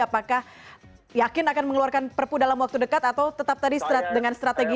apakah yakin akan mengeluarkan perpu dalam waktu dekat atau tetap tadi dengan strategi